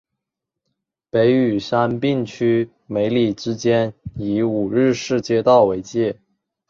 北与杉并区梅里之间以五日市街道为界。